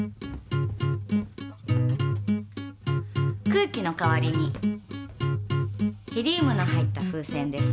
空気の代わりにヘリウムの入った風船です。